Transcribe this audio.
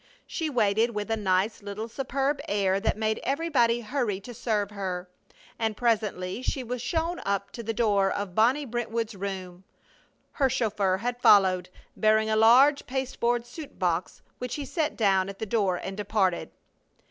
She waited with a nice little superb air that made everybody hurry to serve her, and presently she was shown up to the door of Bonnie Brentwood's room. Her chauffeur had followed, bearing a large pasteboard suit box which he set down at the door and departed.